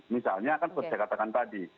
misalnya kan seperti saya katakan tadi